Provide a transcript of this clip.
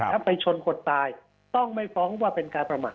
แล้วไปชนคนตายต้องไม่ฟ้องว่าเป็นการประมาท